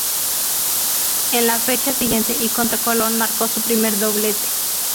En la fecha siguiente y contra Colón, marcó su primer doblete.